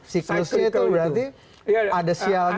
siklus itu berarti ada sialnya ada bagusnya gitu